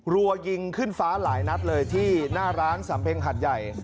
รัวยิงขึ้นฟ้าหลายนัดเลยที่หน้าร้านสำเพ็งหัดใหญ่